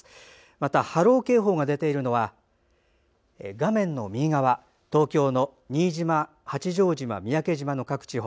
また波浪警報が出ているのは画面の右側東京の新島、八丈島、三宅島の各地方。